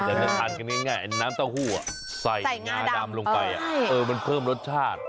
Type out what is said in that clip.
แต่ถ้าทานกันง่ายน้ำเต้าหู้ใส่งาดำลงไปมันเพิ่มรสชาติ